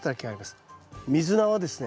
ミズナはですね